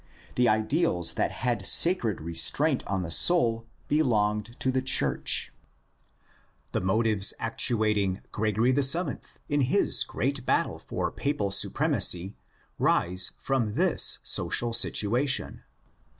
The ideals that had sacred restraint on the soul belonged to the church. The motives actuating Gregory VII in his great battle for papal supremacy rise from this social situation.